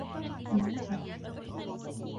يا الهي!